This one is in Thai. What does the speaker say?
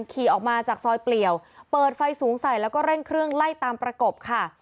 ขี่ออกมาจากซอยเปลี่ยวเปิดไฟสูงใส่แล้วก็เร่งเครื่องไล่ตามประกบค่ะ